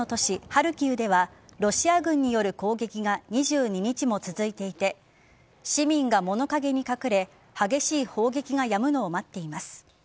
ハルキウではロシア軍による攻撃が２２日も続いていて市民が物陰に隠れ激しい砲撃がやむのを待っています。